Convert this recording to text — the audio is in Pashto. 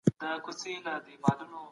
د کار ځواک روزنه د تولید کچه لوړوي.